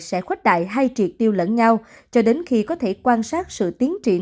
sẽ khuếch đại hay triệt tiêu lẫn nhau cho đến khi có thể quan sát sự tiến triển